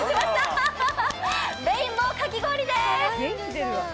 レインボーかき氷でーす！